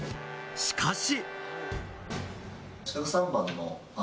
しかし。